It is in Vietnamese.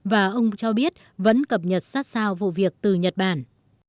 và ông cho biết vẫn cập nhật sát sao vụ việc từ nhật bản